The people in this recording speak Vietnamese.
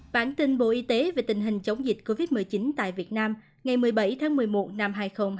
bản tin bộ y tế về tình hình chống dịch covid một mươi chín tại việt nam ngày một mươi bảy tháng một mươi một năm hai nghìn hai mươi